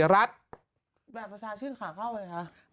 ดังระชาชื่นขาเข้าเลยครับ